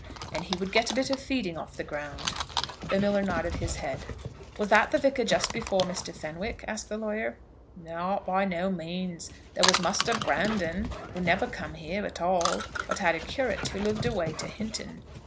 And he would get a bit of feeding off the ground?" The miller nodded his head. "Was that the Vicar just before Mr. Fenwick?" asked the lawyer. "Not by no means. There was Muster Brandon, who never come here at all, but had a curate who lived away to Hinton.